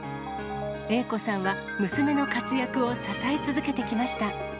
英子さんは、娘の活躍を支え続けてきました。